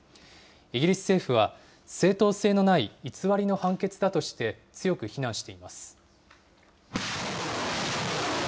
イギリス政府は、正当性のない偽りの判決だとして、強く非難しています。